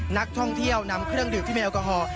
นักท่องเที่ยวนำเครื่องดื่มที่มีแอลกอฮอล์